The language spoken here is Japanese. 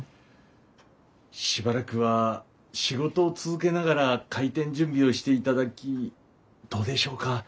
しばらくは仕事を続けながら開店準備をしていただきどうでしょうか？